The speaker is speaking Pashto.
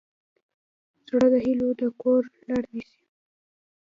زړه د هیلو کور ته لار نیسي.